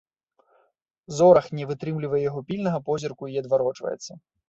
Зорах не вытрымлівае яго пільнага позірку і адварочваецца.